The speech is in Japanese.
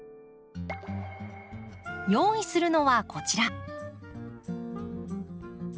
用意するのはこちら。